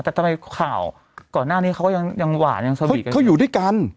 แต่ทำไมข่าวก่อนหน้านี้เขาก็ยังหวานยังเขาอยู่ด้วยกัน